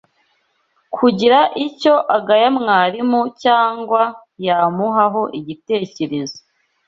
kugira icyo agaya mwarimu cyangwa yamuhaho igitekerezo